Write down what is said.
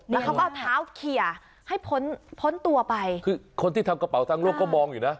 แล้วเขาก็เอาเท้าเขียให้พ้นพ้นตัวไปคือคนที่ทำกระเป๋าทางโลกก็มองอยู่นะ